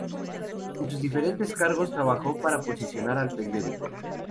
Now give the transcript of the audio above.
En sus diferentes cargos trabajó para posicionar al periódico.